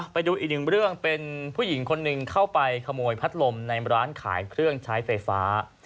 ไปดูอีกหนึ่งเรื่องเป็นผู้หญิงคนหนึ่งเข้าไปขโมยพัดลมในร้านขายเครื่องใช้ไฟฟ้า